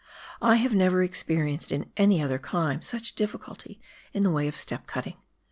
I have never experienced in any other climb such difl&culty in the way of step cutting.